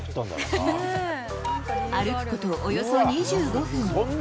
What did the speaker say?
歩くことおよそ２５分。